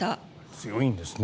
強いんですね。